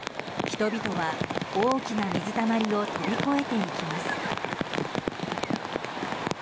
人々は、大きな水たまりを飛び越えていきます。